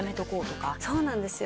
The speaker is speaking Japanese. そうなんですよ。